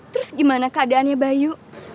terus gimana keadaannya bayu